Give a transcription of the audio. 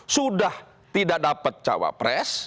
sudah tidak dapat capres